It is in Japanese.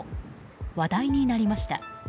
話題になりました。